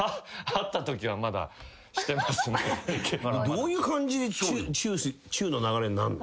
どういう感じでチューの流れになるの？